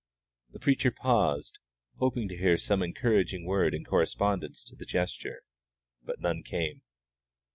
The preacher paused, hoping to hear some encouraging word in correspondence to the gesture, but none came.